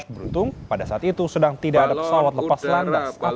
beruntung pada saat itu sedang tidak ada pesawat lepas landas